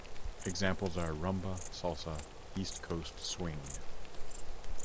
Examples are rumba, salsa, east coast swing.